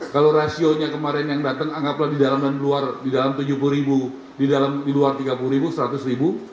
kalau rasionya kemarin yang datang anggaplah di dalam dan luar di dalam tujuh puluh ribu di luar tiga puluh ribu seratus ribu